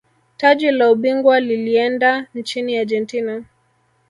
taji la ubingwa lilieenda nchini argentina